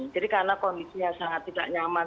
jadi karena kondisinya sangat tidak nyaman